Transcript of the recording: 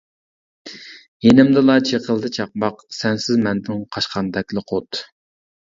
يېنىمدىلا چېقىلدى چاقماق، سەنسىز مەندىن قاچقاندەكلا قۇت.